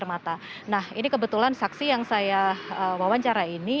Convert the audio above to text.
nah ini kebetulan saksi yang saya wawancara ini